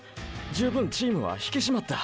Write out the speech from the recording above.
十分チームは引き締まった。